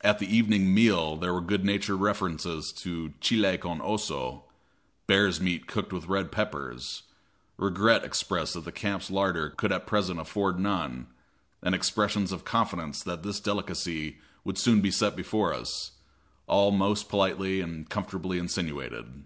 At the evening meal there were good natured references to chile con oso bear's meat cooked with red peppers regret expressed that the camp's larder could at present afford none, and expressions of confidence that this delicacy would soon be set before us all most politely and comfortably insinuated.